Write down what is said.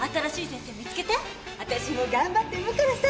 わたしも頑張って産むからさ。